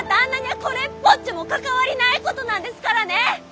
これっぽっちも関わりないことなんですからね！